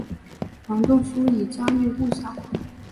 王仲殊已经家喻户晓。